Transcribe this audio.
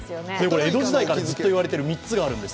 江戸時代からずっと言われている３つがあるんです。